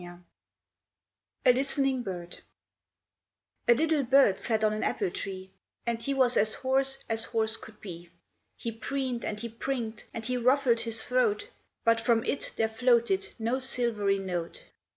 A LISTENING BIRD A LITTLE bird sat on an apple tree, And he was as hoarse as hoarse could be ; He preened and he prinked, and he ruffled his throat, But from it there floated no silvery note.